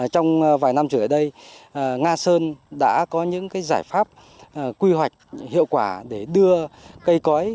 trong vài năm trở lại đây nga sơn đã có những giải pháp quy hoạch hiệu quả để đưa cây cõi